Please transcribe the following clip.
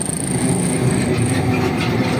তোমাকে এখানে দুই মাস থাকতে হয়েছিল।